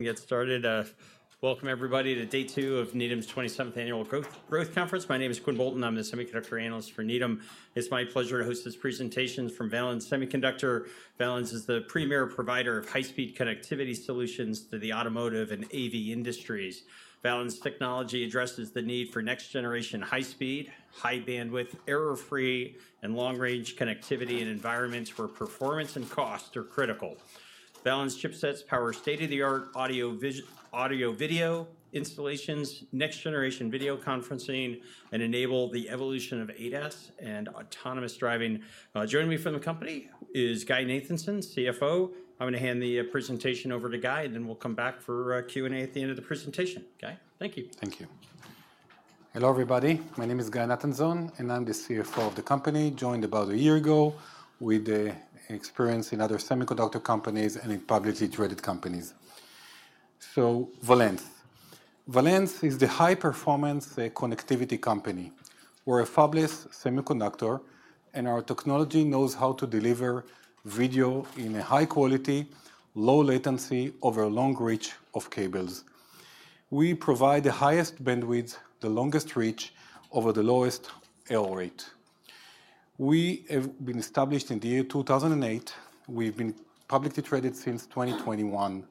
We get started. Welcome, everybody, to day two of Needham's 27th Annual Growth Conference. My name is Quinn Bolton. I'm the semiconductor analyst for Needham. It's my pleasure to host this presentation from Valens Semiconductor. Valens is the premier provider of high-speed connectivity solutions to the automotive and AV industries. Valens' technology addresses the need for next-generation high-speed, high-bandwidth, error-free, and long-range connectivity in environments where performance and cost are critical. Valens chipsets power state-of-the-art audio-video installations, next-generation video conferencing, and enable the evolution of ADAS and autonomous driving. Joining me from the company is Guy Nathanzon, CFO. I'm going to hand the presentation over to Guy, and then we'll come back for Q&A at the end of the presentation. Guy, thank you. Thank you. Hello, everybody. My name is Guy Nathanzon, and I'm the CFO of the company. I joined about a year ago with experience in other semiconductor companies and in publicly traded companies. So, Valens is the high-performance connectivity company. We're a fabless semiconductor, and our technology knows how to deliver video in a high-quality, low-latency over a long reach of cables. We provide the highest bandwidth, the longest reach, over the lowest error rate. We have been established in the year 2008. We've been publicly traded since 2021.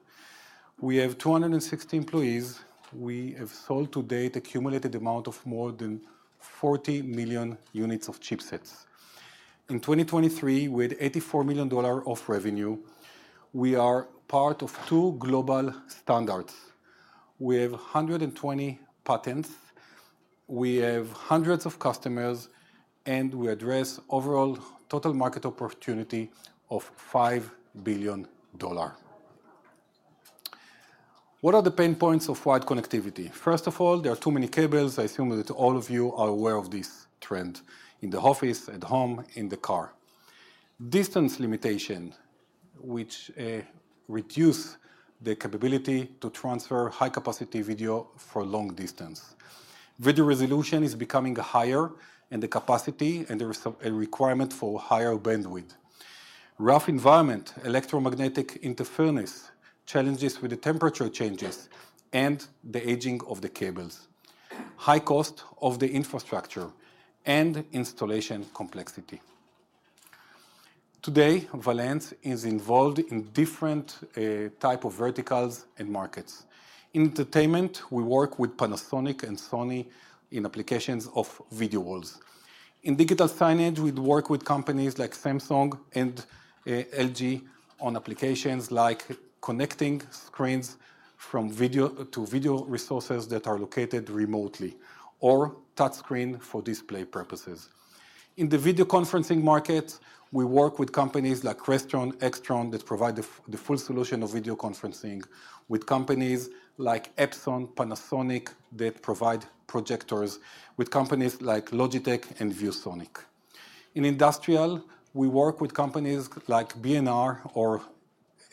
We have 260 employees. We have sold to date a cumulated amount of more than 40 million units of chipsets. In 2023, we had $84 million of revenue. We are part of two global standards. We have 120 patents. We have hundreds of customers, and we address overall total market opportunity of $5 billion. What are the pain points of wired connectivity? First of all, there are too many cables. I assume that all of you are aware of this trend in the office, at home, in the car. Distance limitation, which reduces the capability to transfer high-capacity video for long distance. Video resolution is becoming higher, and the capacity and the requirement for higher bandwidth. Rough environment, electromagnetic interference, challenges with the temperature changes and the aging of the cables. High cost of the infrastructure and installation complexity. Today, Valens is involved in different types of verticals and markets. In entertainment, we work with Panasonic and Sony in applications of video walls. In digital signage, we work with companies like Samsung and LG on applications like connecting screens from video to video resources that are located remotely or touchscreen for display purposes. In the video conferencing market, we work with companies like Crestron, Extron that provide the full solution of video conferencing, with companies like Epson, Panasonic that provide projectors, with companies like Logitech and ViewSonic. In industrial, we work with companies like B&R or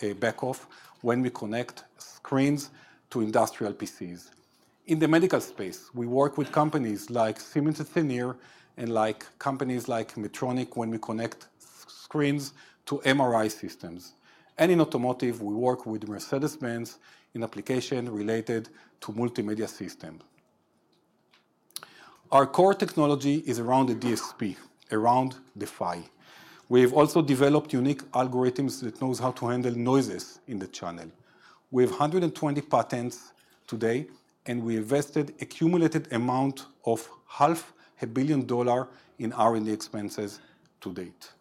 Beckhoff when we connect screens to industrial PCs. In the medical space, we work with companies like Siemens and Sennheiser and companies like Medtronic when we connect screens to MRI systems. And in automotive, we work with Mercedes-Benz in application related to multimedia systems. Our core technology is around the DSP, around the PHY. We have also developed unique algorithms that know how to handle noises in the channel. We have 120 patents today, and we invested a cumulated amount of $500 million in R&D expenses to date.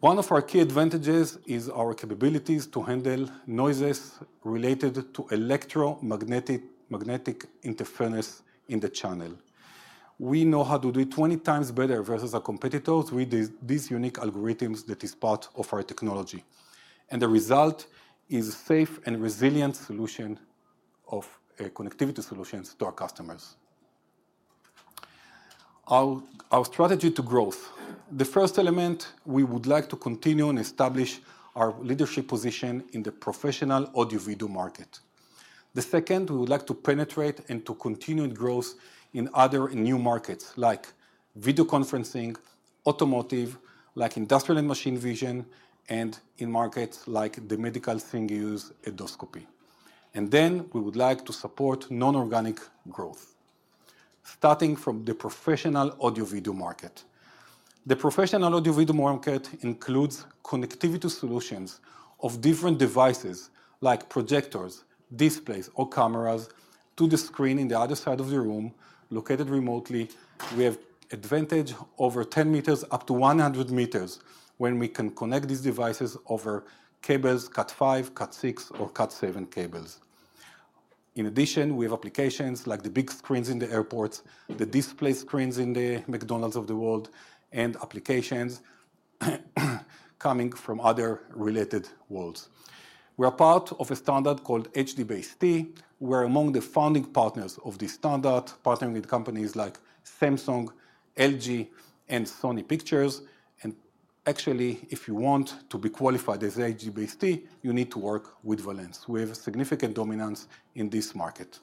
One of our key advantages is our capabilities to handle noises related to electromagnetic interference in the channel. We know how to do it 20 times better versus our competitors with these unique algorithms that are part of our technology, and the result is a safe and resilient solution of connectivity solutions to our customers. Our strategy to growth. The first element, we would like to continue and establish our leadership position in the professional audio-video market. The second, we would like to penetrate and to continue growth in other new markets like video conferencing, automotive, like industrial and machine vision, and in markets like the medical thing used endoscopy, and then we would like to support non-organic growth, starting from the professional audio-video market. The professional audio-video market includes connectivity solutions of different devices like projectors, displays, or cameras to the screen in the other side of the room located remotely. We have advantage over 10 meters up to 100 meters when we can connect these devices over cables, CAT5, CAT6, or CAT7 cables. In addition, we have applications like the big screens in the airports, the display screens in the McDonald's of the world, and applications coming from other related worlds. We are part of a standard called HDBaseT, where among the founding partners of this standard, partnering with companies like Samsung, LG, and Sony Pictures, and actually, if you want to be qualified as HDBaseT, you need to work with Valens. We have significant dominance in this market.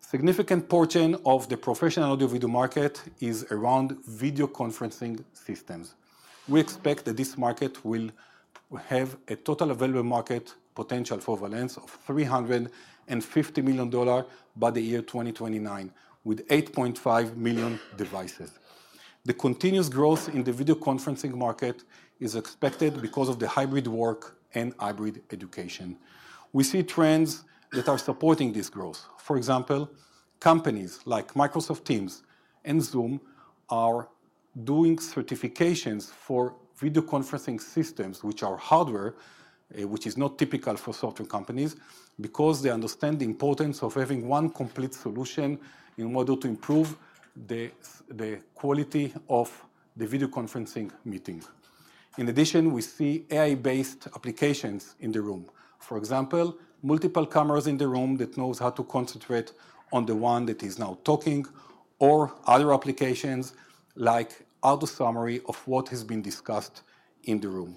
Significant portion of the professional audio-video market is around video conferencing systems. We expect that this market will have a total available market potential for Valens of $350 million by the year 2029, with 8.5 million devices. The continuous growth in the video conferencing market is expected because of the hybrid work and hybrid education. We see trends that are supporting this growth. For example, companies like Microsoft Teams and Zoom are doing certifications for video conferencing systems, which are hardware, which is not typical for certain companies because they understand the importance of having one complete solution in order to improve the quality of the video conferencing meeting. In addition, we see AI-based applications in the room. For example, multiple cameras in the room that know how to concentrate on the one that is now talking or other applications like auto-summary of what has been discussed in the room.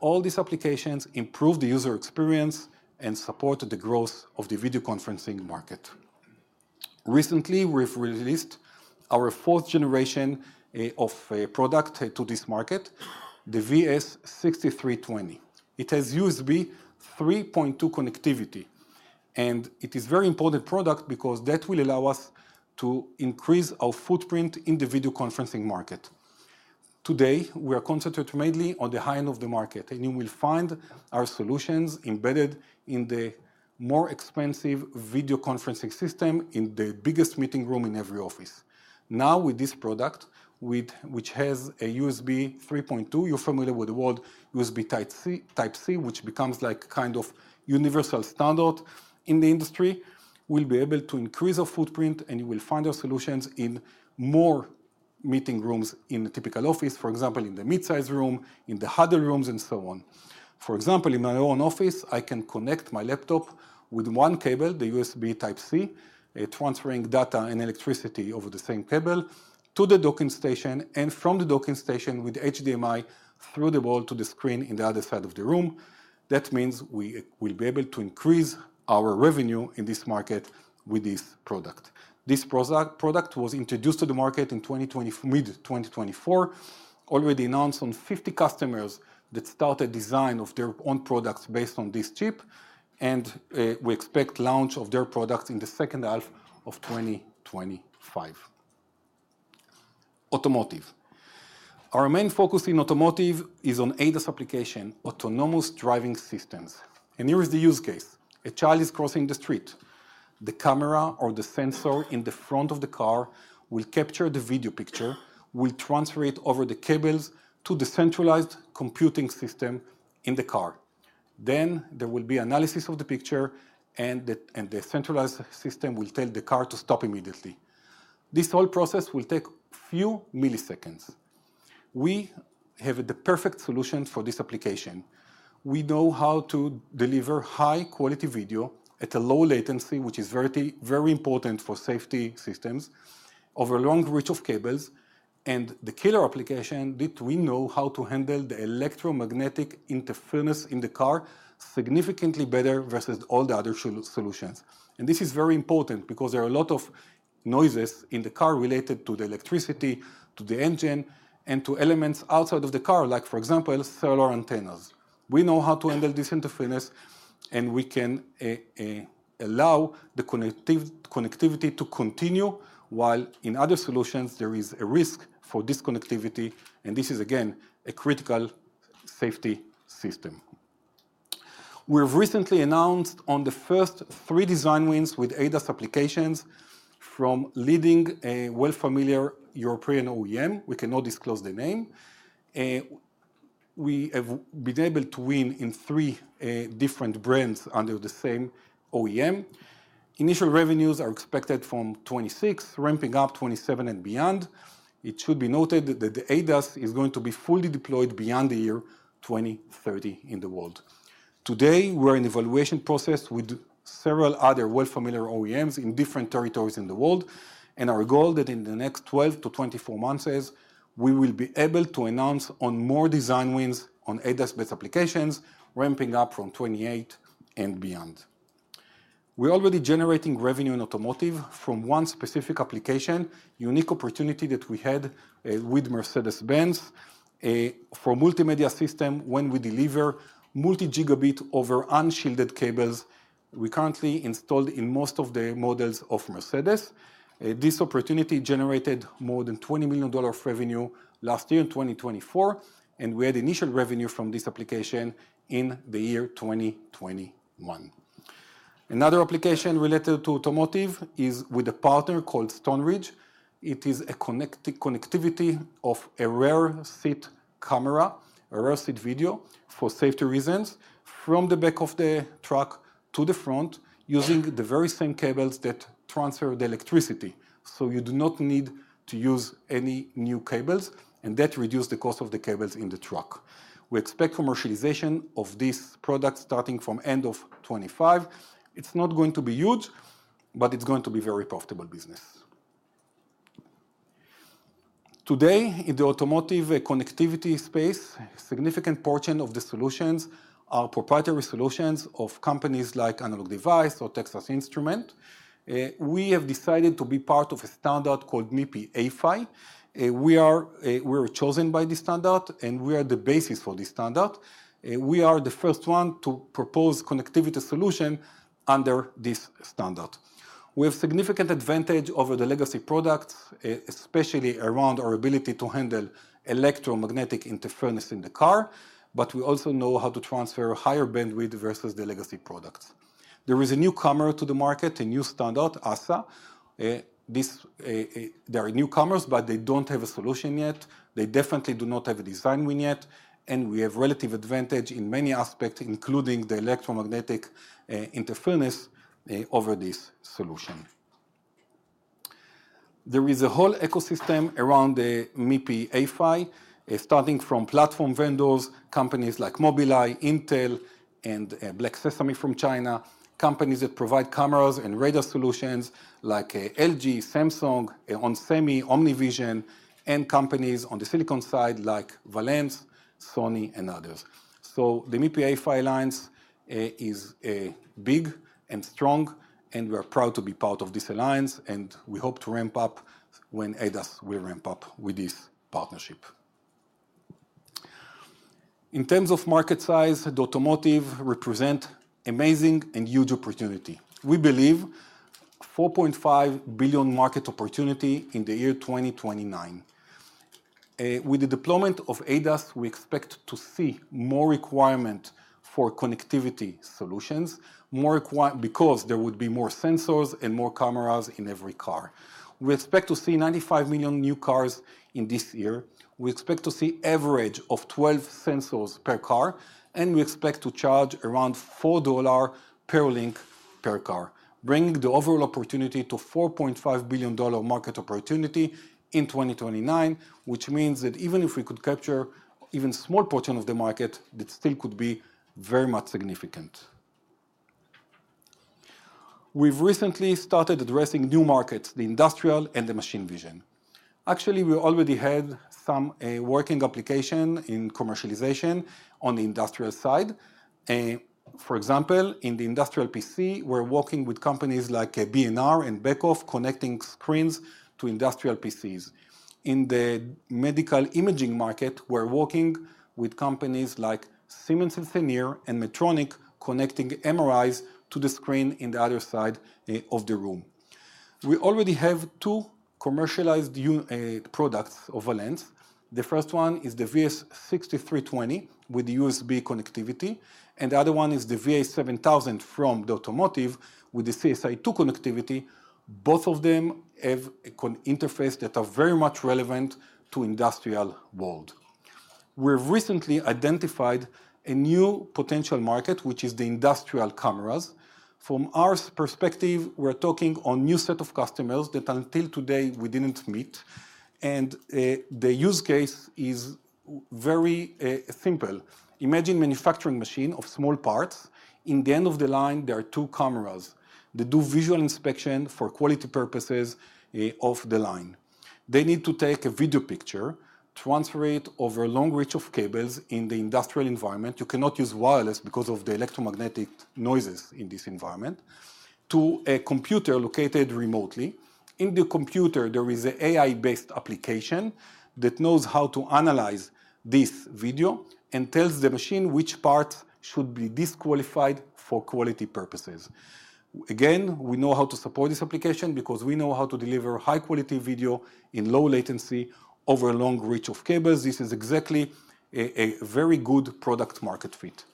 All these applications improve the user experience and support the growth of the video conferencing market. Recently, we've released our fourth generation of product to this market, the VS6320. It has USB 3.2 connectivity, and it is a very important product because that will allow us to increase our footprint in the video conferencing market. Today, we are concentrated mainly on the high-end of the market, and you will find our solutions embedded in the more expensive video conferencing system in the biggest meeting room in every office. Now, with this product, which has a USB 3.2, you're familiar with the word USB Type-C, which becomes like kind of universal standard in the industry, we'll be able to increase our footprint, and you will find our solutions in more meeting rooms in a typical office, for example, in the mid-size room, in the huddle rooms, and so on. For example, in my own office, I can connect my laptop with one cable, the USB Type-C, transferring data and electricity over the same cable to the docking station and from the docking station with HDMI through the wall to the screen in the other side of the room. That means we will be able to increase our revenue in this market with this product. This product was introduced to the market in mid-2024, already announced on 50 customers that started design of their own products based on this chip, and we expect launch of their products in the second half of 2025. Automotive. Our main focus in automotive is on ADAS application, autonomous driving systems, and here is the use case. A child is crossing the street. The camera or the sensor in the front of the car will capture the video picture, will transfer it over the cables to the centralized computing system in the car. Then there will be analysis of the picture, and the centralized system will tell the car to stop immediately. This whole process will take a few milliseconds. We have the perfect solution for this application. We know how to deliver high-quality video at a low latency, which is very important for safety systems, over a long reach of cables, and the killer application that we know how to handle the electromagnetic interference in the car significantly better versus all the other solutions, and this is very important because there are a lot of noises in the car related to the electricity, to the engine, and to elements outside of the car, like, for example, cellular antennas. We know how to handle this interference, and we can allow the connectivity to continue while in other solutions there is a risk for disconnectivity. And this is, again, a critical safety system. We have recently announced on the first three design wins with ADAS applications from leading, a well-known European OEM. We cannot disclose the name. We have been able to win in three different brands under the same OEM. Initial revenues are expected from 2026, ramping up 2027 and beyond. It should be noted that the ADAS is going to be fully deployed beyond the year 2030 in the world. Today, we're in evaluation process with several other well-known OEMs in different territories in the world. And our goal that in the next 12 to 24 months is we will be able to announce on more design wins on ADAS-based applications, ramping up from 2028 and beyond. We're already generating revenue in automotive from one specific application, unique opportunity that we had with Mercedes-Benz for multimedia system when we deliver multi-gigabit over unshielded cables we currently installed in most of the models of Mercedes. This opportunity generated more than $20 million revenue last year in 2024, and we had initial revenue from this application in the year 2021. Another application related to automotive is with a partner called Stoneridge. It is a connectivity of a rear seat camera, a rear seat video for safety reasons from the back of the truck to the front using the very same cables that transfer the electricity. So you do not need to use any new cables, and that reduces the cost of the cables in the truck. We expect commercialization of this product starting from the end of 2025. It's not going to be huge, but it's going to be a very profitable business. Today, in the automotive connectivity space, a significant portion of the solutions are proprietary solutions of companies like Analog Devices or Texas Instruments. We have decided to be part of a standard called MIPI A-PHY. We are chosen by the standard, and we are the basis for the standard. We are the first one to propose connectivity solution under this standard. We have significant advantage over the legacy products, especially around our ability to handle electromagnetic interference in the car, but we also know how to transfer higher bandwidth versus the legacy products. There is a newcomer to the market, a new standard, ASA. There are newcomers, but they don't have a solution yet. They definitely do not have a design win yet. We have relative advantage in many aspects, including the electromagnetic interference over this solution. There is a whole ecosystem around the MIPI A-PHY, starting from platform vendors, companies like Mobileye, Intel, and Black Sesame from China, companies that provide cameras and radar solutions like LG, Samsung, onsemi, OmniVision, and companies on the silicon side like Valens, Sony, and others. The MIPI A-PHY Alliance is big and strong, and we are proud to be part of this alliance, and we hope to ramp up when ADAS will ramp up with this partnership. In terms of market size, the automotive represents amazing and huge opportunity. We believe $4.5 billion market opportunity in the year 2029. With the deployment of ADAS, we expect to see more requirement for connectivity solutions, more requirement because there would be more sensors and more cameras in every car. We expect to see 95 million new cars in this year. We expect to see an average of 12 sensors per car, and we expect to charge around $4 per link per car, bringing the overall opportunity to $4.5 billion market opportunity in 2029, which means that even if we could capture even a small portion of the market, that still could be very much significant. We've recently started addressing new markets, the industrial and the machine vision. Actually, we already had some working application in commercialization on the industrial side. For example, in the industrial PC, we're working with companies like B&R and Beckhoff connecting screens to industrial PCs. In the medical imaging market, we're working with companies like Siemens and Sennheiser and Medtronic connecting MRIs to the screen in the other side of the room. We already have two commercialized products of Valens. The first one is the VS6320 with USB connectivity, and the other one is the VA7000 from the automotive with the CSI-2 connectivity. Both of them have an interface that is very much relevant to the industrial world. We've recently identified a new potential market, which is the industrial cameras. From our perspective, we're talking on a new set of customers that until today we didn't meet, and the use case is very simple. Imagine a manufacturing machine of small parts. In the end of the line, there are two cameras that do visual inspection for quality purposes of the line. They need to take a video picture, transfer it over a long reach of cables in the industrial environment. You cannot use wireless because of the electromagnetic noises in this environment to a computer located remotely. In the computer, there is an AI-based application that knows how to analyze this video and tells the machine which parts should be disqualified for quality purposes. Again, we know how to support this application because we know how to deliver high-quality video in low latency over a long reach of cables. This is exactly a very good product market fit.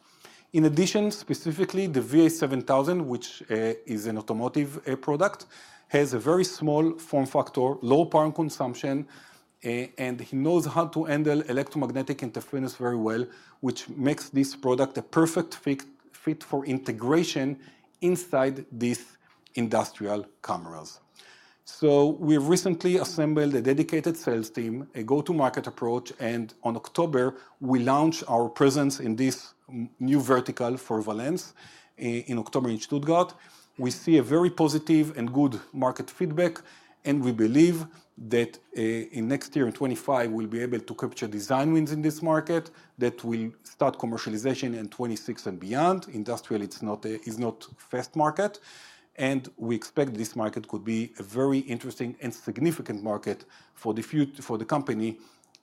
In addition, specifically, the VA7000, which is an automotive product, has a very small form factor, low power consumption, and it knows how to handle electromagnetic interference very well, which makes this product a perfect fit for integration inside these industrial cameras. So we have recently assembled a dedicated sales team, a go-to-market approach, and in October, we launch our presence in this new vertical for Valens in October in Stuttgart. We see a very positive and good market feedback, and we believe that in next year, in 2025, we'll be able to capture design wins in this market that will start commercialization in 2026 and beyond. Industrial. It's not a fast market, and we expect this market could be a very interesting and significant market for the company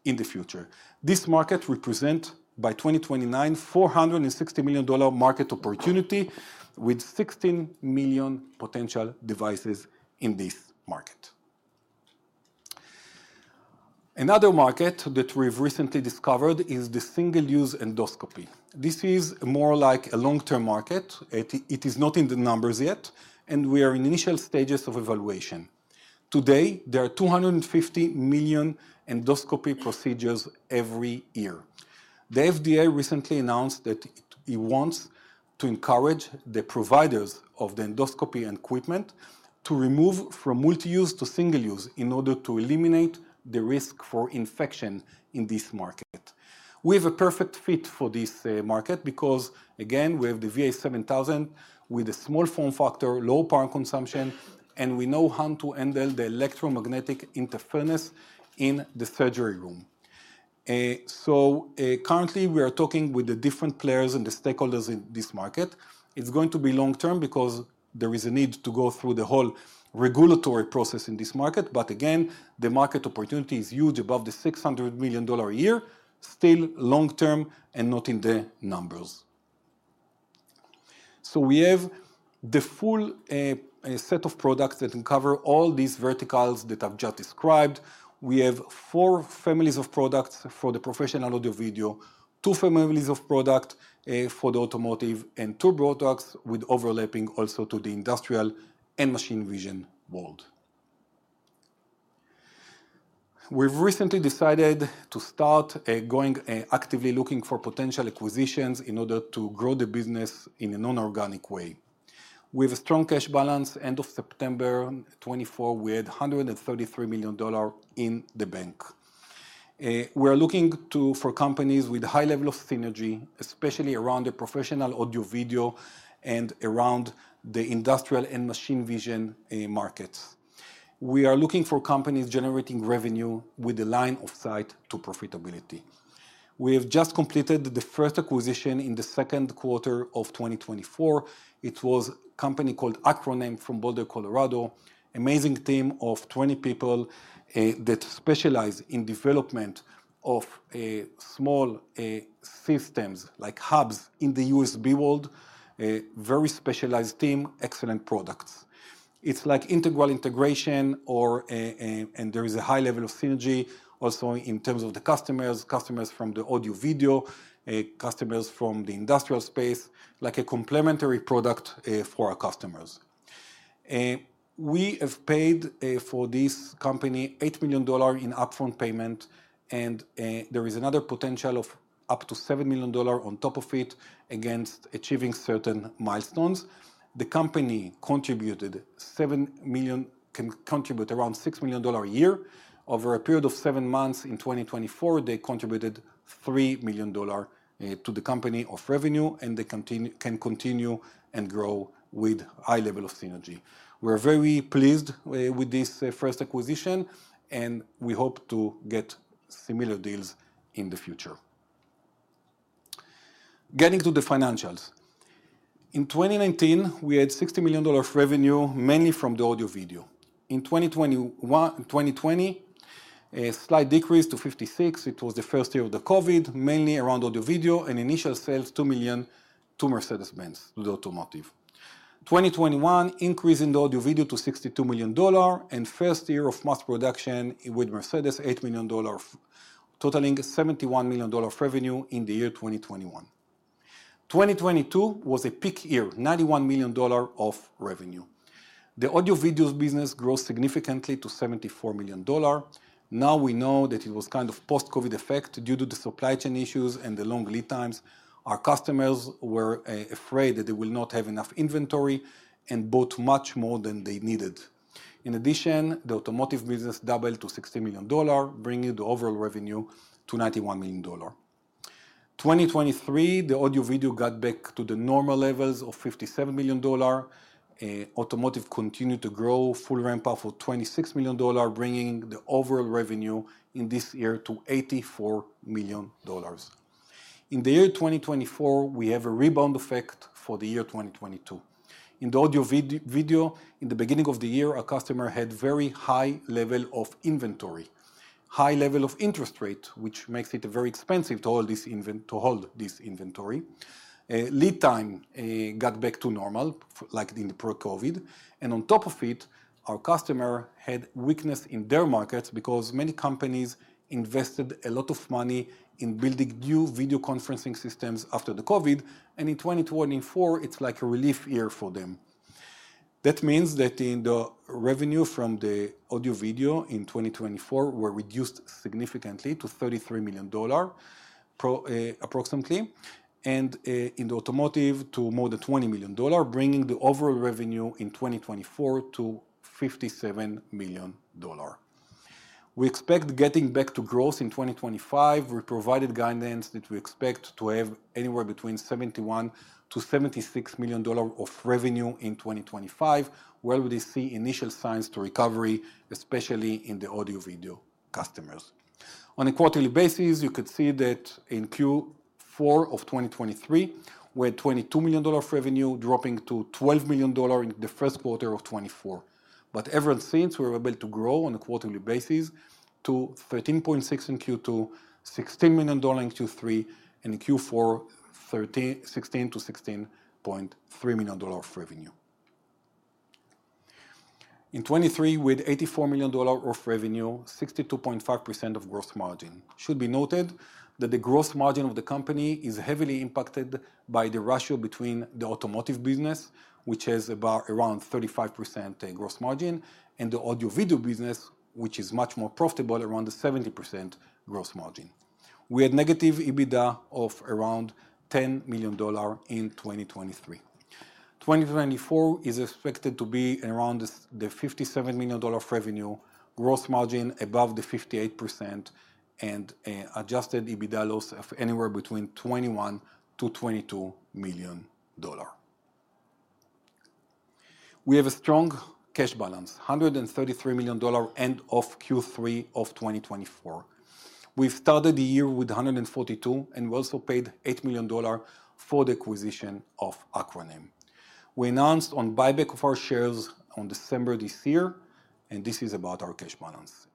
in the future. This market represents, by 2029, a $460 million market opportunity with 16 million potential devices in this market. Another market that we've recently discovered is the single-use endoscopy. This is more like a long-term market. It is not in the numbers yet, and we are in initial stages of evaluation. Today, there are 250 million endoscopy procedures every year. The FDA recently announced that it wants to encourage the providers of the endoscopy equipment to remove from multi-use to single-use in order to eliminate the risk for infection in this market. We have a perfect fit for this market because, again, we have the VA7000 with a small form factor, low power consumption, and we know how to handle the electromagnetic interference in the surgery room. So currently, we are talking with the different players and the stakeholders in this market. It's going to be long-term because there is a need to go through the whole regulatory process in this market. But again, the market opportunity is huge, above the $600 million a year, still long-term and not in the numbers. So we have the full set of products that cover all these verticals that I've just described. We have four families of products for the professional audio video, two families of products for the automotive, and two products with overlapping also to the industrial and machine vision world. We've recently decided to start going actively looking for potential acquisitions in order to grow the business in a non-organic way. With a strong cash balance, end of September 2024, we had $133 million in the bank. We are looking for companies with a high level of synergy, especially around the professional audio video and around the industrial and machine vision markets. We are looking for companies generating revenue with the line of sight to profitability. We have just completed the first acquisition in the second quarter of 2024. It was a company called Acroname from Boulder, Colorado, an amazing team of 20 people that specialize in the development of small systems like hubs in the USB world, a very specialized team, excellent products. It's like integral integration, and there is a high level of synergy also in terms of the customers, customers from the audio video, customers from the industrial space, like a complementary product for our customers. We have paid for this company $8 million in upfront payment, and there is another potential of up to $7 million on top of it against achieving certain milestones. The company contributed $7 million, can contribute around $6 million a year. Over a period of seven months in 2024, they contributed $3 million to the company of revenue, and they can continue and grow with a high level of synergy. We're very pleased with this first acquisition, and we hope to get similar deals in the future. Getting to the financials. In 2019, we had $60 million revenue, mainly from the audio video. In 2020, a slight decrease to $56 million. It was the first year of the COVID, mainly around audio video and initial sales, $2 million to Mercedes-Benz, to the automotive. In 2021, an increase in the audio video to $62 million, and the first year of mass production with Mercedes, $8 million, totaling $71 million revenue in the year 2021. 2022 was a peak year, $91 million of revenue. The audio video business grew significantly to $74 million. Now we know that it was kind of a post-COVID effect due to the supply chain issues and the long lead times. Our customers were afraid that they will not have enough inventory and bought much more than they needed. In addition, the automotive business doubled to $60 million, bringing the overall revenue to $91 million. In 2023, the audio video got back to the normal levels of $57 million. Automotive continued to grow, full ramp-up for $26 million, bringing the overall revenue in this year to $84 million. In the year 2024, we have a rebound effect for the year 2022. In the audio video, in the beginning of the year, a customer had a very high level of inventory, high level of interest rate, which makes it very expensive to hold this inventory. Lead time got back to normal, like in pre-COVID. On top of it, our customer had weakness in their markets because many companies invested a lot of money in building new video conferencing systems after the COVID. In 2024, it's like a relief year for them. That means that in the revenue from the audio video in 2024, we reduced significantly to $33 million approximately, and in the automotive to more than $20 million, bringing the overall revenue in 2024 to $57 million. We expect getting back to growth in 2025. We provided guidance that we expect to have anywhere between $71-$76 million of revenue in 2025, where we see initial signs to recovery, especially in the audio video customers. On a quarterly basis, you could see that in Q4 of 2023, we had $22 million revenue dropping to $12 million in the first quarter of 2024. But ever since, we were able to grow on a quarterly basis to $13.6 in Q2, $16 million in Q3, and in Q4, $16-$16.3 million revenue. In 2023, we had $84 million of revenue, 62.5% gross margin. It should be noted that the gross margin of the company is heavily impacted by the ratio between the automotive business, which has around 35% gross margin, and the audio video business, which is much more profitable, around 70% gross margin. We had negative EBITDA of around $10 million in 2023. 2024 is expected to be around the $57 million revenue, gross margin above 58%, and adjusted EBITDA loss of anywhere between $21-$22 million. We have a strong cash balance, $133 million end of Q3 of 2024. We've started the year with $142, and we also paid $8 million for the acquisition of Acroname. We announced a buyback of our shares in December this year, and this is about our cash balance.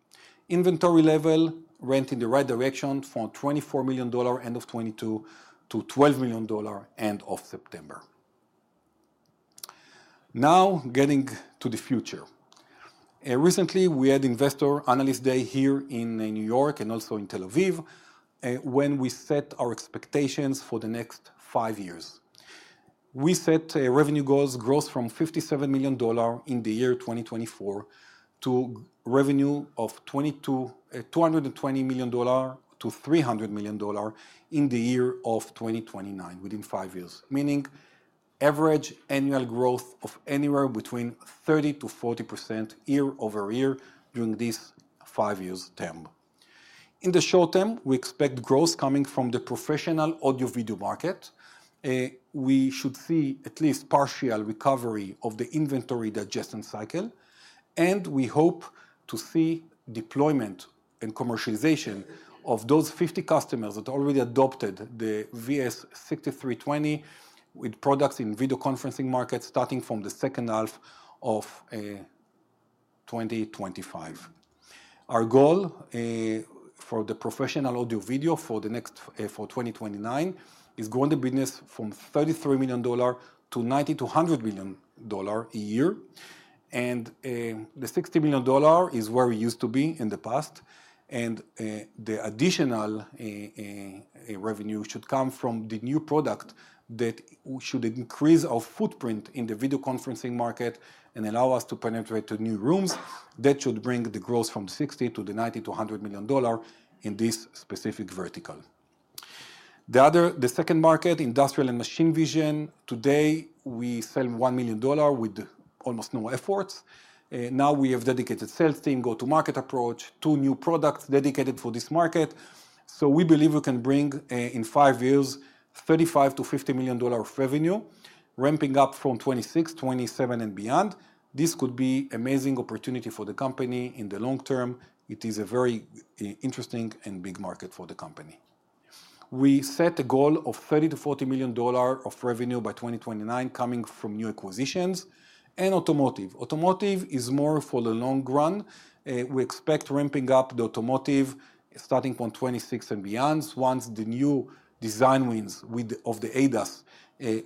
Inventory level went in the right direction from $24 million end of 2022 to $12 million end of September. Now, getting to the future. Recently, we had Investor Analyst Day here in New York and also in Tel Aviv when we set our expectations for the next five years. We set revenue goals growth from $57 million in the year 2024 to revenue of $220 million-$300 million in the year of 2029, within five years, meaning average annual growth of anywhere between 30%-40% year-over-year during this five-year term. In the short term, we expect growth coming from the professional audio video market. We should see at least partial recovery of the inventory digestion cycle, and we hope to see deployment and commercialization of those 50 customers that already adopted the VS6320 with products in video conferencing markets starting from the second half of 2025. Our goal for the professional audio video for 2029 is growing the business from $33 million to $90-$100 million a year, and the $60 million is where we used to be in the past. And the additional revenue should come from the new product that should increase our footprint in the video conferencing market and allow us to penetrate to new rooms that should bring the growth from $60 to the $90-$100 million in this specific vertical. The second market, industrial and machine vision, today we sell $1 million with almost no efforts. Now we have a dedicated sales team, go-to-market approach, two new products dedicated for this market. So we believe we can bring in five years $35-$50 million of revenue, ramping up from $26-$27, and beyond. This could be an amazing opportunity for the company in the long term. It is a very interesting and big market for the company. We set a goal of $30-$40 million of revenue by 2029 coming from new acquisitions and automotive. Automotive is more for the long run. We expect ramping up the automotive starting from $26 and beyond once the new design wins of the ADAS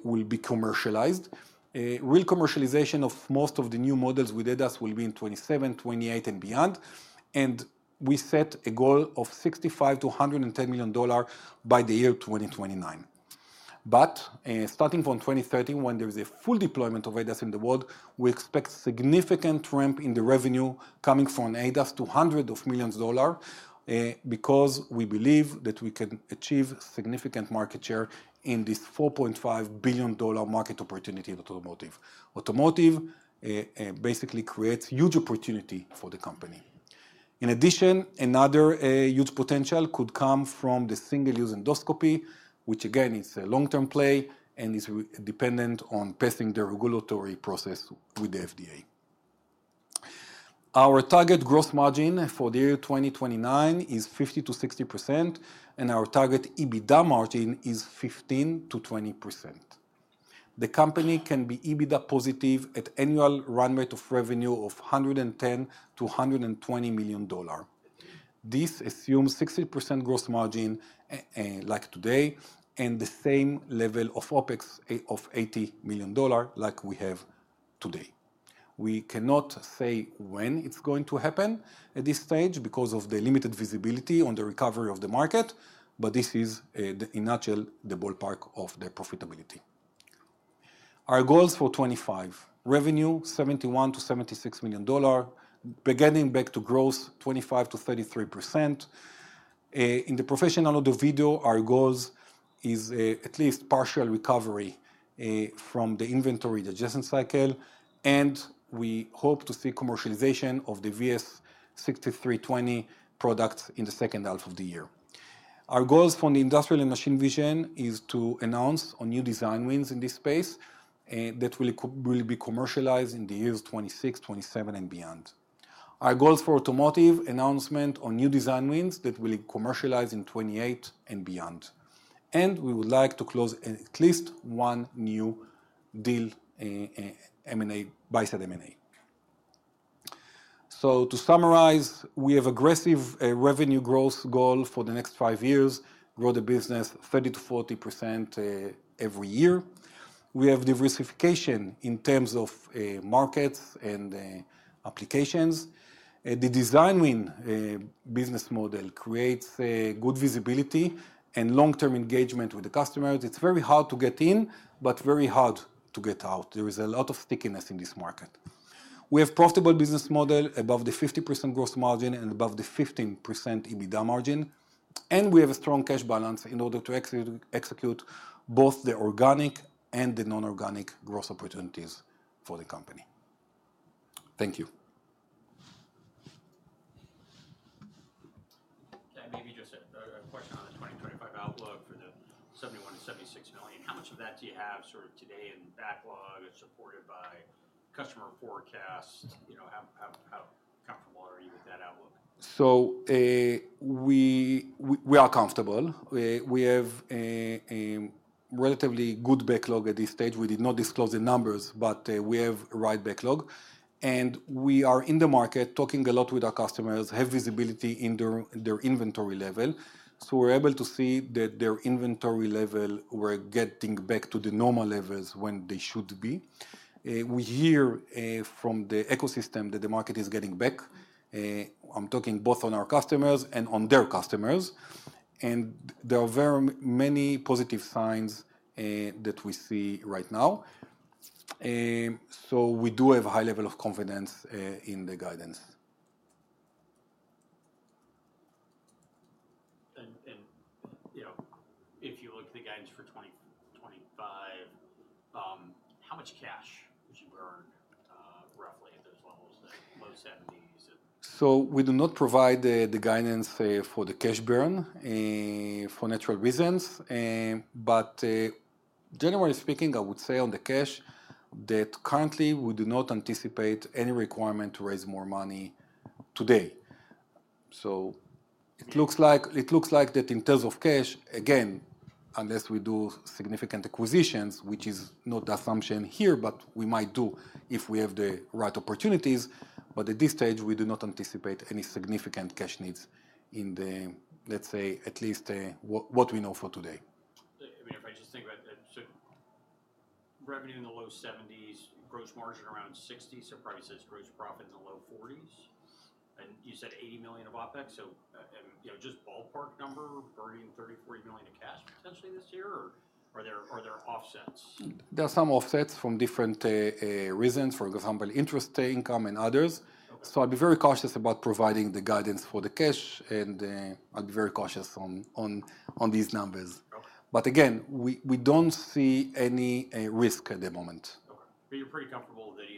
will be commercialized. Real commercialization of most of the new models with ADAS will be in 2027, 2028, and beyond. And we set a goal of $65-$110 million by the year 2029. But starting from 2030, when there is a full deployment of ADAS in the world, we expect significant ramp in the revenue coming from ADAS to hundreds of millions of dollars because we believe that we can achieve significant market share in this $4.5 billion market opportunity in automotive. Automotive basically creates a huge opportunity for the company. In addition, another huge potential could come from the single-use endoscopy, which again, it's a long-term play and is dependent on passing the regulatory process with the FDA. Our target gross margin for the year 2029 is 50%-60%, and our target EBITDA margin is 15%-20%. The company can be EBITDA positive at annual run rate of revenue of $110-$120 million. This assumes a 60% gross margin like today and the same level of OPEX of $80 million like we have today. We cannot say when it's going to happen at this stage because of the limited visibility on the recovery of the market, but this is in a nutshell the ballpark of the profitability. Our goals for 2025: revenue $71-$76 million, getting back to growth 25%-33%. In the professional audio video, our goal is at least partial recovery from the inventory digestion cycle, and we hope to see commercialization of the VS6320 products in the second half of the year. Our goals for the industrial and machine vision is to announce new design wins in this space that will be commercialized in the years 2026, 2027, and beyond. Our goals for automotive: announcement on new design wins that will be commercialized in 2028 and beyond, and we would like to close at least one new deal by SADM&A. So to summarize, we have an aggressive revenue growth goal for the next five years, grow the business 30%-40% every year. We have diversification in terms of markets and applications. The design win business model creates good visibility and long-term engagement with the customers. It's very hard to get in, but very hard to get out. There is a lot of stickiness in this market. We have a profitable business model above the 50% gross margin and above the 15% EBITDA margin. And we have a strong cash balance in order to execute both the organic and the non-organic growth opportunities for the company. Thank you. Can I maybe just a question on the 2025 outlook for the $71-$76 million? How much of that do you have sort of today in backlog that's supported by customer forecasts? How comfortable are you with that outlook? So we are comfortable. We have a relatively good backlog at this stage. We did not disclose the numbers, but we have a right backlog. And we are in the market, talking a lot with our customers, have visibility in their inventory level. So we're able to see that their inventory level we're getting back to the normal levels when they should be. We hear from the ecosystem that the market is getting back. I'm talking both on our customers and on their customers. And there are very many positive signs that we see right now. So we do have a high level of confidence in the guidance. And if you look at the guidance for 2025, how much cash would you burn roughly at those levels, low 70s? So we do not provide the guidance for the cash burn for natural reasons. Generally speaking, I would say on the cash that currently we do not anticipate any requirement to raise more money today. So it looks like that in terms of cash, again, unless we do significant acquisitions, which is not the assumption here, but we might do if we have the right opportunities. But at this stage, we do not anticipate any significant cash needs in the, let's say, at least what we know for today. I mean, if I just think about that, so revenue in the low 70s, gross margin around 60%, resulting in gross profit in the low 40s. And you said $80 million of OpEx. So just ballpark number, burning $30-$40 million of cash potentially this year, or are there offsets? There are some offsets from different reasons, for example, interest income and others. So I'll be very cautious about providing the guidance for the cash, and I'll be very cautious on these numbers. But again, we don't see any risk at the moment. Okay. But you're pretty comfortable that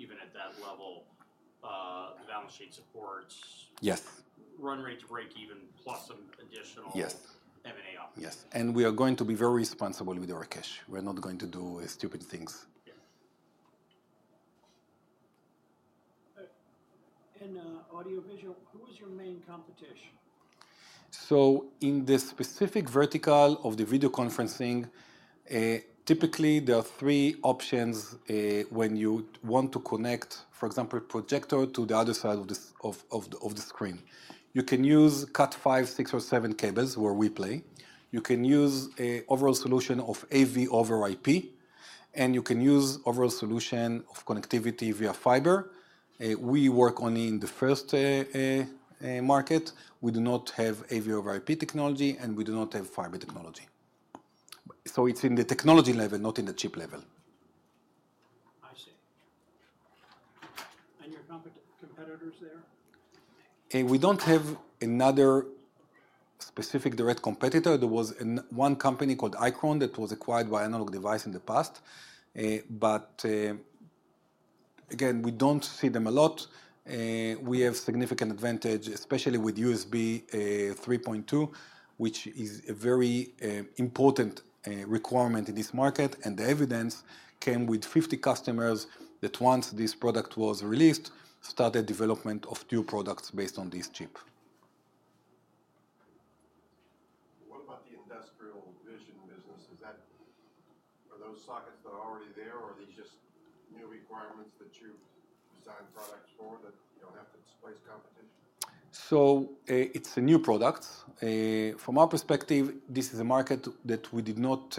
even at that level, the balance sheet supports. Yes. Run rate to break even plus some additional M&A opportunities. Yes. And we are going to be very responsible with our cash. We're not going to do stupid things. Yeah. And audio visual, who is your main competition? So in the specific vertical of the video conferencing, typically there are three options when you want to connect, for example, a projector to the other side of the screen. You can use CAT5, CAT6, or CAT7 cables where we play. You can use an overall solution of AV over IP, and you can use an overall solution of connectivity via fiber. We work only in the first market. We do not have AV over IP technology, and we do not have fiber technology. So it's in the technology level, not in the chip level. I see. And your competitors there? We don't have another specific direct competitor. There was one company called Icron that was acquired by Analog Devices in the past. But again, we don't see them a lot. We have a significant advantage, especially with USB 3.2, which is a very important requirement in this market. And the evidence came with 50 customers that once this product was released, started development of new products based on this chip. What about the industrial vision business? Are those sockets that are already there, or are these just new requirements that you've designed products for that you don't have to displace competition? So it's a new product. From our perspective, this is a market that we did not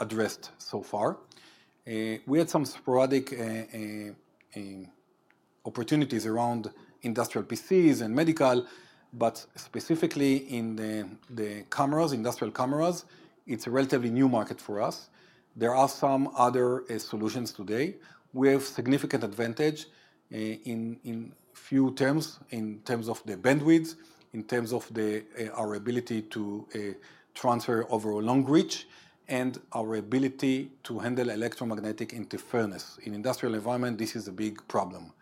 address so far. We had some sporadic opportunities around industrial PCs and medical, but specifically in the cameras, industrial cameras, it's a relatively new market for us. There are some other solutions today. We have a significant advantage in a few terms, in terms of the bandwidth, in terms of our ability to transfer over a long reach, and our ability to handle electromagnetic interference. In an industrial environment, this is a big problem.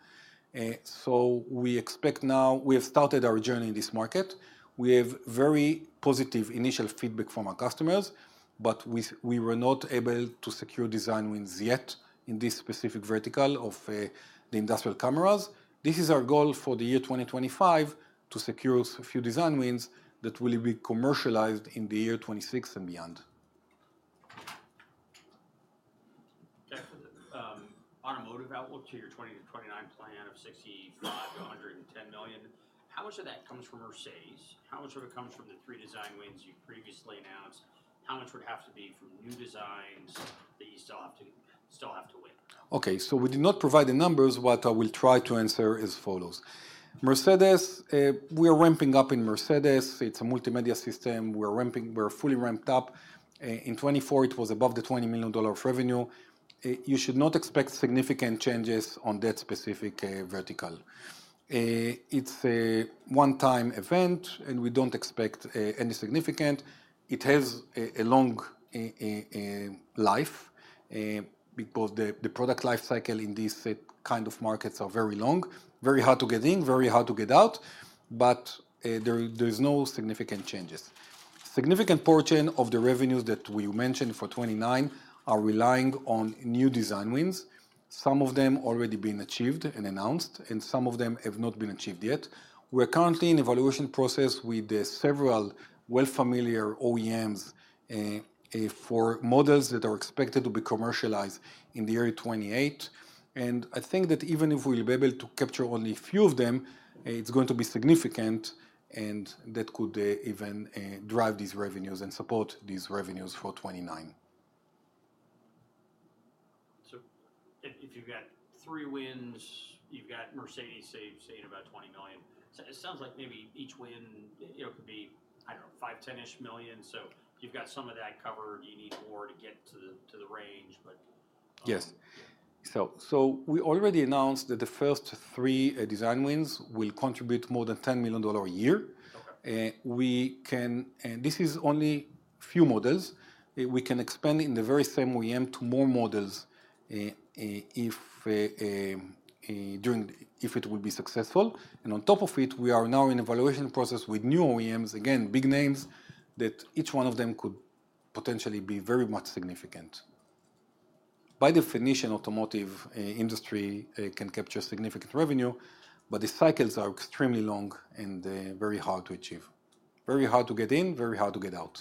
So we expect now we have started our journey in this market. We have very positive initial feedback from our customers, but we were not able to secure design wins yet in this specific vertical of the industrial cameras. This is our goal for the year 2025 to secure a few design wins that will be commercialized in the year 2026 and beyond. Okay. For the automotive outlook to your 2020-2029 plan of $65-$110 million, how much of that comes from Mercedes? How much of it comes from the three design wins you've previously announced? How much would have to be from new designs that you still have to win? Okay. So we did not provide the numbers, but I will try to answer as follows. Mercedes, we are ramping up in Mercedes. It's a multimedia system. We are fully ramped up. In 2024, it was above the $20 million revenue. You should not expect significant changes on that specific vertical. It's a one-time event, and we don't expect any significant. It has a long life because the product lifecycle in these kinds of markets is very long, very hard to get in, very hard to get out. But there are no significant changes. A significant portion of the revenues that we mentioned for 2029 are relying on new design wins, some of them already being achieved and announced, and some of them have not been achieved yet. We're currently in the evaluation process with several well-familiar OEMs for models that are expected to be commercialized in the year 2028, and I think that even if we'll be able to capture only a few of them, it's going to be significant, and that could even drive these revenues and support these revenues for 2029, so if you've got three wins, you've got Mercedes saved, say, in about $20 million. It sounds like maybe each win could be, I don't know, $5, $10-ish million, so you've got some of that covered. You need more to get to the range, but. Yes. We already announced that the first three design wins will contribute more than $10 million a year. This is only a few models. We can expand in the very same OEM to more models if it will be successful. On top of it, we are now in the evaluation process with new OEMs, again, big names, that each one of them could potentially be very much significant. By definition, the automotive industry can capture significant revenue, but the cycles are extremely long and very hard to achieve. Very hard to get in, very hard to get out.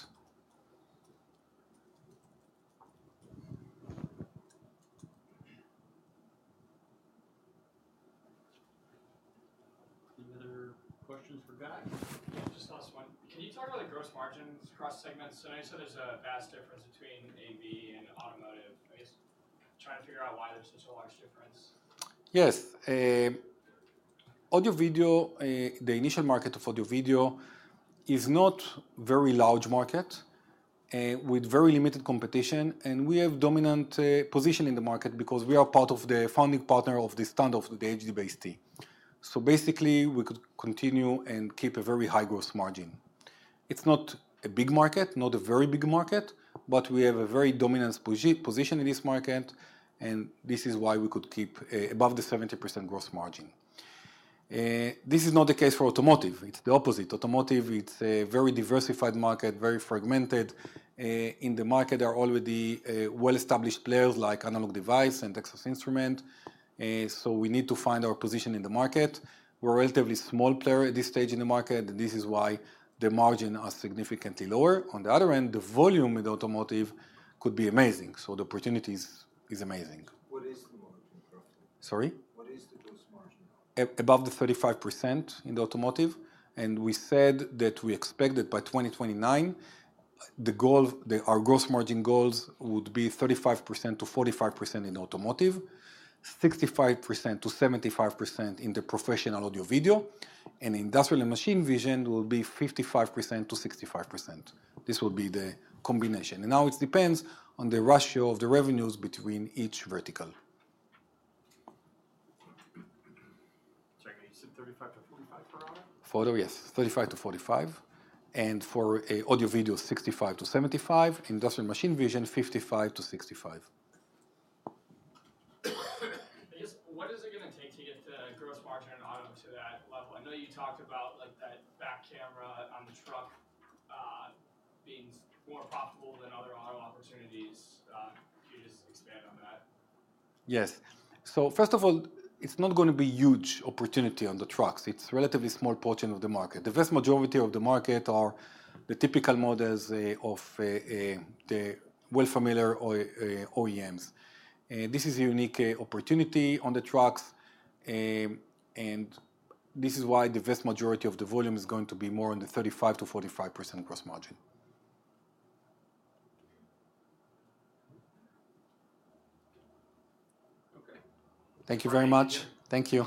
Any other questions for Guy? Yeah, just last one. Can you talk about the gross margins across segments? I know you said there's a vast difference between AV and automotive. I guess trying to figure out why there's such a large difference. Yes. Audio-video, the initial market of audio-video is not a very large market with very limited competition. We have a dominant position in the market because we are part of the founding partner of the standard of the HDBaseT. So basically, we could continue and keep a very high gross margin. It's not a big market, not a very big market, but we have a very dominant position in this market, and this is why we could keep above the 70% gross margin. This is not the case for automotive. It's the opposite. Automotive, it's a very diversified market, very fragmented. In the market, there are already well-established players like Analog Devices and Texas Instruments. So we need to find our position in the market. We're a relatively small player at this stage in the market, and this is why the margin is significantly lower. On the other end, the volume in the automotive could be amazing. So the opportunity is amazing. What is the margin? Sorry? What is the gross margin? Above the 35% in the automotive. And we said that we expected by 2029, our gross margin goals would be 35%-45% in automotive, 65%-75% in the professional audio video, and industrial and machine vision will be 55%-65%. This will be the combination. And now it depends on the ratio of the revenues between each vertical. Sorry, you said 35-45 per auto? For auto, yes. 35-45. And for audio video, 65-75. Industrial machine vision, 55-65. I guess, what is it going to take to get the gross margin in auto to that level? I know you talked about that back camera on the truck being more profitable than other auto opportunities. Can you just expand on that? Yes. So first of all, it's not going to be a huge opportunity on the trucks. It's a relatively small portion of the market. The vast majority of the market are the typical models of the well-familiar OEMs. This is a unique opportunity on the trucks. And this is why the vast majority of the volume is going to be more in the 35%-45% gross margin. Okay. Thank you very much. Thank you.